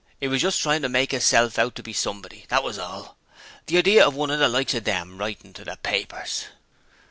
'E was just trying to make 'isself out to be Somebody, that was all. The idea of one of the likes of them writing to the papers!'